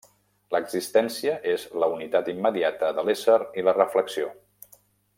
L'existència és la unitat immediata de l'ésser i la reflexió.